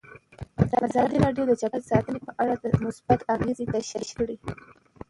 ازادي راډیو د چاپیریال ساتنه په اړه مثبت اغېزې تشریح کړي.